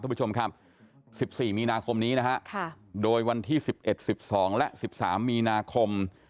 ทุกผู้ชมครับสิบสี่มีนาคมนี้นะฮะค่ะโดยวันที่สิบเอ็ดสิบสองและสิบสามมีนาคม